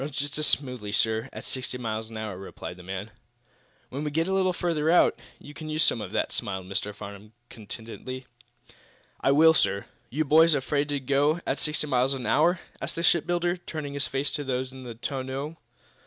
"Runs just as smoothly, sir, at sixty miles an hour," replied the man. "When we get a little further out, you can us some of that," smiled Mr. Farnum, contentedly. "I will, sir." "You boys afraid to go at sixty miles an hour?" asked the shipbuilder, turning to face those in the tonneau.